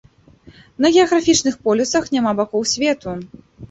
На геаграфічных полюсах няма бакоў свету.